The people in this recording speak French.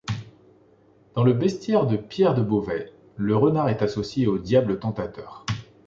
Dans le Bestiaire de Pierre de Beauvais, le renard est associé au diable tentateur.